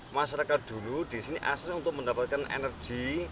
masyarakat dulu di sini asli untuk mendapatkan energi